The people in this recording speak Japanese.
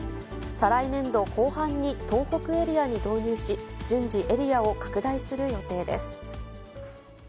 再来年度後半に東北エリアに導入し、順次エリアを拡大する予定です。